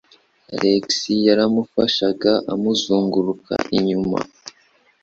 Alex yaramufashaga amuzunguruka inyuma.